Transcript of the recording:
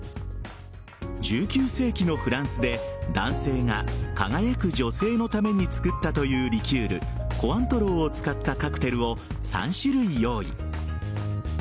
１９世紀のフランスで、男性が輝く女性のために作ったというリキュールコアントローを使ったカクテルを３種類用意。